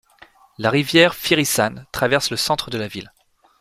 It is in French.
La rivière Fyrisån traverse le centre de la ville.